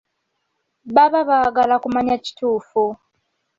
Baba baagala kumanya kituufu.